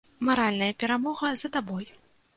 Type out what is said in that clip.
Маральная перамога за табой.